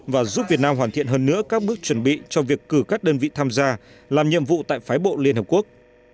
và giúp việt nam hoàn thiện hơn nữa các bước chuẩn bị cho việc cử các đơn vị tham gia làm nhiệm vụ tại phái bộ liên hợp quốc